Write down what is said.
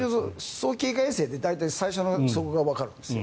早期警戒衛星で大体最初のそこがわかるんですよ。